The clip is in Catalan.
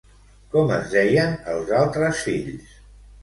Com es deien els altres fills?